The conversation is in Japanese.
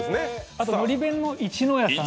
あと海苔弁のいちのやさん